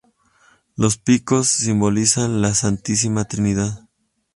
Los picos simbolizan la Santísima Trinidad.